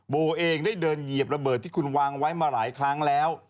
โบเองได้เดินเหยียบระเบิดที่คุณวางไว้มาหลายครั้งแล้ว